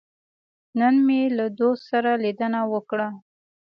نن مې له دوست سره لیدنه وکړه.